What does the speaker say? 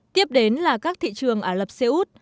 tiếp đến là các thị trường ở lập xê út